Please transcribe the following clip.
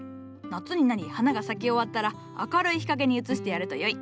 夏になり花が咲き終わったら明るい日陰に移してやるとよい。